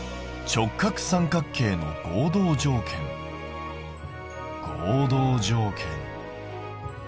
直角三角形の合同条件ですよね。